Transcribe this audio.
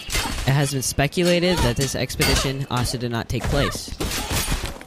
It has been speculated that this expedition also did not take place.